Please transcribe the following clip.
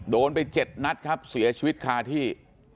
โดนไป๗นัดครับเสียชีวิตคาที่